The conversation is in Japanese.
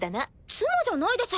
妻じゃないです。